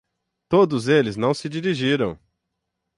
Todos eles não se dirigiram.